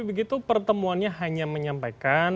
begitu pertemuannya hanya menyampaikan